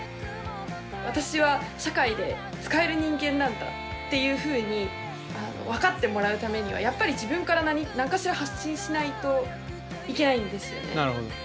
私は社会で使える人間なんだっていうふうに分かってもらうためにはやっぱり自分から何かしら発信しないといけないんですよね。